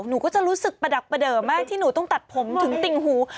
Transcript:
หนูก็จะรู้สึกประดับประเดิมมากที่หนูต้องตัดผมถึงติ่งหู